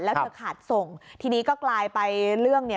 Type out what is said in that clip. แล้วเธอขาดส่งทีนี้ก็กลายไปเรื่องเนี่ย